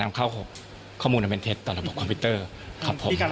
นำเข้าที่๖ข้อมูลให้เป็นเท็จในระบบคอมพิวเตอร์ครับผม